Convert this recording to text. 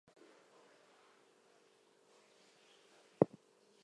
Moves are performed by inputting various button combinations.